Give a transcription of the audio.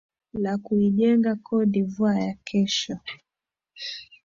la kuijenga cote dvoire ya kesho